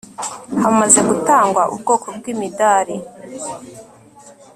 hamaze gutangwa ubwoko bw'imidari